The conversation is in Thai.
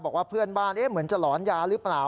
บอกว่าเพื่อนบ้านเหมือนจะหลอนยาหรือเปล่า